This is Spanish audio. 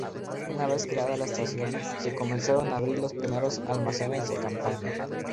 Una vez creada la estación se comenzaron a abrir los primeros almacenes de campaña.